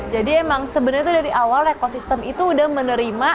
jadi emang sebenarnya dari awal rekosistem itu sudah menerima limbahannya